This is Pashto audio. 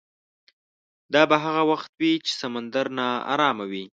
دا به هغه وخت وي چې سمندر ناارامه وي.